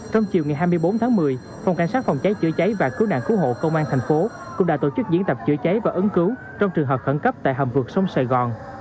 trong chiều ngày hai mươi bốn tháng một mươi phòng cảnh sát phòng cháy chữa cháy và cứu nạn cứu hộ công an thành phố cũng đã tổ chức diễn tập chữa cháy và ứng cứu trong trường hợp khẩn cấp tại hầm vượt sông sài gòn